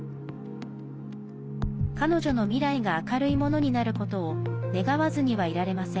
彼女の未来が明るいものになることを願わずにはいられません。